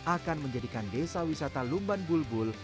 akan menjadikan desa wisata lumban bulbul